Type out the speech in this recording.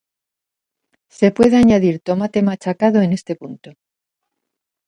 Se puede añadir tomate machacado en este punto.